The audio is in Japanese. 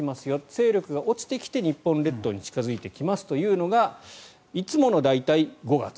勢力が落ちてきて日本列島に近付いてきますというのがいつもの、大体５月。